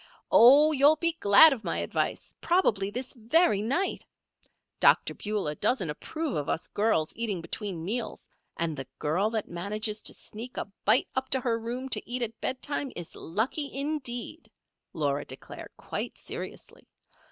"Oh, you'll be glad of my advice probably this very night. Dr. Beulah doesn't approve of us girls eating between meals, and the girl that manages to sneak a bite up to her room to eat at bedtime is lucky, indeed," Laura declared, quite seriously.